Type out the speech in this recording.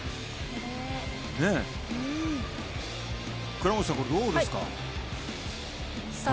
倉持さん、どうですか？